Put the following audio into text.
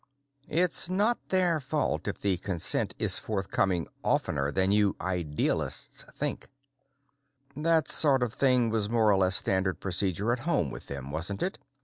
It's not their fault if the consent is forthcoming oftener than you idealists think." "That sort of thing was more or less standard procedure at home with them, wasn't it?"